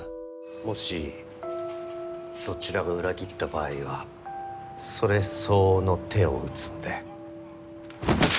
もしそちらが裏切った場合はそれ相応の手を打つんで。